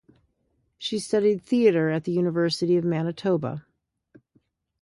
She studied theatre at the University of Manitoba.